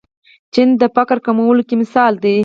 چین د فقر کمولو کې مثال دی.